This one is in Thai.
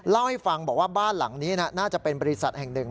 เล่าให้ฟังบอกว่าบ้านหลังนี้น่าจะเป็นบริษัทแห่งหนึ่ง